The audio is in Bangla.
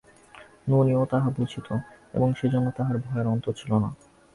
ননিও তাহা বুঝিত, এবং সেজন্য তার ভয়ের অন্ত ছিল না।